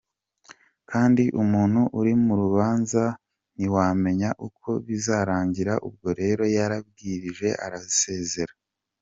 Kandi umuntu uri mu rubanza ntiwamenya uko bizarangira… ubwo rero yaribwirije arasezera.